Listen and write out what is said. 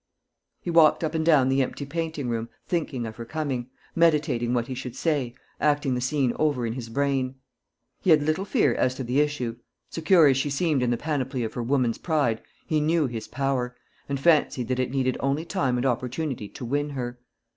He walked up and down the empty painting room, thinking of her coming, meditating what he should say, acting the scene over in his brain. He had little fear as to the issue. Secure as she seemed in the panoply of her woman's pride, he knew his power, and fancied that it needed only time and opportunity to win her.